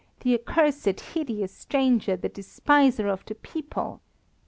the accursed, hideous stranger, the despiser of the people!"